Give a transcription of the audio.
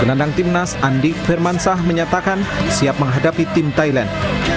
penandang tim nas andi firmansah menyatakan siap menghadapi tim thailand